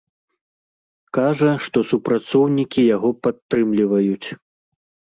Кажа, што супрацоўнікі яго падтрымліваюць.